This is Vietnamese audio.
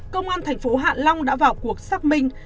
công an thành phố hạ long đã vào cuộc xác minh